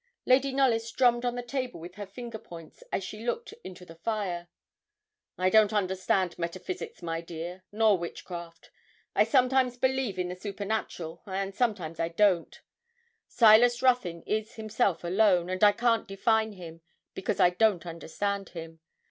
Lady Knollys drummed on the table with her finger points as she looked into the fire. 'I don't understand metaphysics, my dear, nor witchcraft. I sometimes believe in the supernatural, and sometimes I don't. Silas Ruthyn is himself alone, and I can't define him, because I don't understand him.